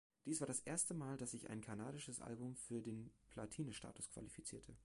Dies war das erste Mal, dass sich ein kanadisches Album für den Platinstatus qualifizierte.